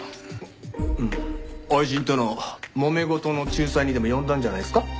愛人との揉め事の仲裁にでも呼んだんじゃないんですか？